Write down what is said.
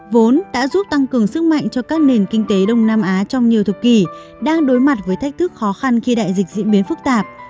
vốn đã giúp tăng cường sức mạnh cho các nền kinh tế đông nam á trong nhiều thập kỷ đang đối mặt với thách thức khó khăn khi đại dịch diễn biến phức tạp